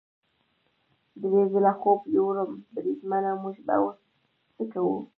درې ځله خوب یووړم، بریدمنه موږ به اوس څه کوو؟